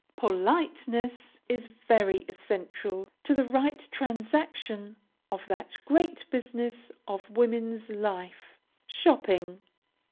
Politeness is very essential to the right transaction of that great business of woman's life, shopping.